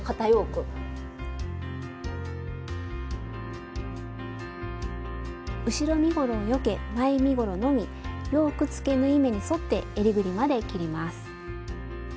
スタジオ後ろ身ごろをよけ前身ごろのみヨークつけ縫い目に沿ってえりぐりまで切ります。